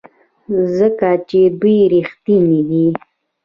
ځکه چې دوی ریښتیني دي.